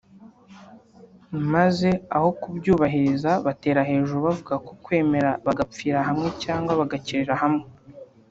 maze aho kubyubahiriza batera hejuru bavuga ko bakwemera bagapfira hamwe cyangwa bagakirira hamwe